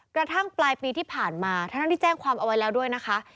กระทั่งปลายปีที่ผ่านมาทั้งที่แจ้งความเอาไว้แล้วด้วยนะคะ